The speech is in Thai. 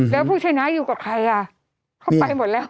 แล้วผู้ชนะกับใคร